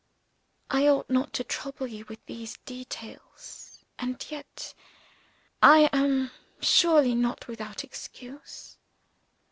I ought not to trouble you with these details and yet, I am surely not without excuse.